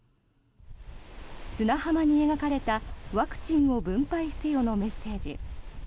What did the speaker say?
砂浜に描かれたワクチンを分配せよのメッセージ。